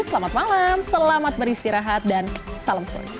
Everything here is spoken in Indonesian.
selamat malam selamat beristirahat dan salam sports